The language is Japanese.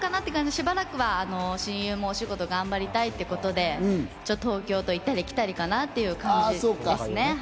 しばらくは親友もお仕事を頑張りたいということで東京といったりきたりかなということですね。